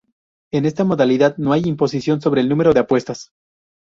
En esta modalidad no hay imposición sobre el número de apuestas.